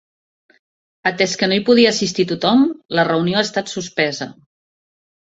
Atès que no hi podia assistir tothom, la reunió ha estat suspesa.